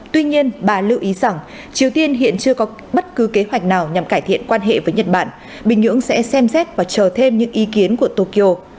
tuy nhiên bà lưu ý rằng triều tiên hiện chưa có bất cứ kế hoạch nào nhằm cải thiện quan hệ với nhật bản bình nhưỡng sẽ xem xét và chờ thêm những ý kiến của tokyo